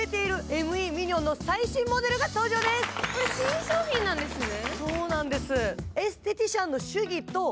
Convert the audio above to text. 新商品なんですね。